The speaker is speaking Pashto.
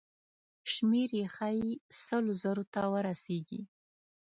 شمېر یې ښایي سلو زرو ته ورسیږي.